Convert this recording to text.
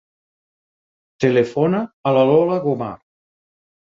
Telefona a la Lola Gomar.